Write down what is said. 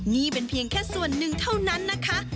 นี่เป็นเพียงแค่ส่วนหนึ่งเท่านั้นนะคะ